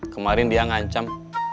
kemarin dia ngancam